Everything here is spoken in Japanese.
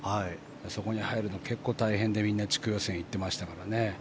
そこに入るの、結構大変でみんな地区予選に行ってましたからね。